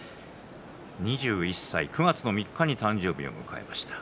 ２１歳、９月３日に誕生日を迎えました。